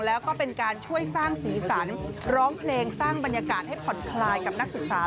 แล้วก็เป็นการช่วยสร้างสีสันร้องเพลงสร้างบรรยากาศให้ผ่อนคลายกับนักศึกษา